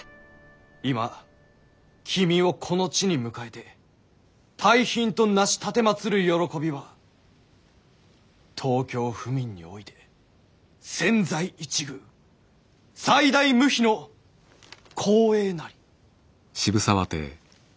「今君をこの地に迎えて大賓となし奉る慶びは東京府民において千載一遇最大無比の光栄なり」。